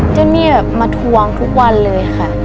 เจ้านี่แบบมาทวงทุกวันเลยค่ะ